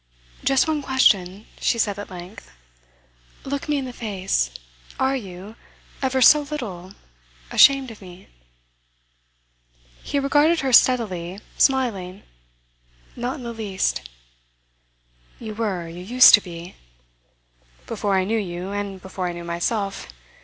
'Just one question,' she said at length. 'Look me in the face. Are you ever so little ashamed of me?' He regarded her steadily, smiling. 'Not in the least.' 'You were you used to be?' 'Before I knew you; and before I knew myself.